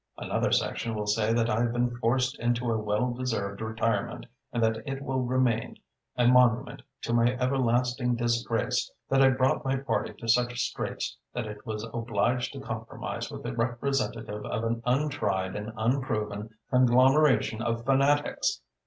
Another section will say that I have been forced into a well deserved retirement and that it will remain a monument to my everlasting disgrace that I brought my party to such straits that it was obliged to compromise with the representative of an untried and unproven conglomeration of fanatics.